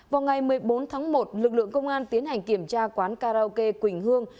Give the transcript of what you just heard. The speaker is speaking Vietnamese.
vào ngày một mươi bốn tháng một lực lượng công an tiến hành kiểm tra quán karaoke quỳnh hương